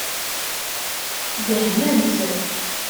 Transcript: Dehmemt.